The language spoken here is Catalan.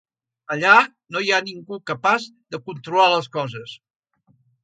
Allà no hi ha ningú capaç de controlar les coses.